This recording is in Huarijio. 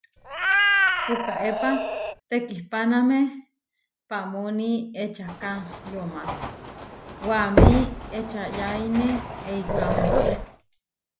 Pukaépa tekihpáname paamúni ečaká yomá, waʼámi ečayáine eikáo.